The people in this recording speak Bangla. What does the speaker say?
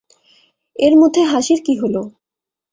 এর মধ্যে হাসির কী হল!